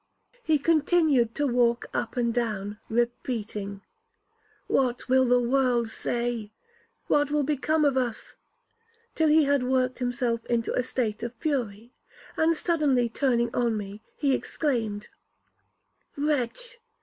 He continued to walk up and down, repeating, 'What will the world say? What will become of us?' till he had worked himself into a state of fury; and, suddenly turning on me, he exclaimed, 'Wretch!